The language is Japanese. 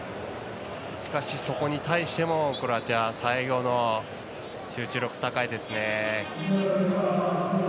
しかし、そこに対してもクロアチア最後の集中力、高いですね。